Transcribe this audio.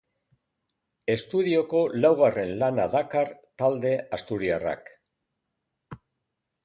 Estudioko laugarren lana dakar talde asturiarrak.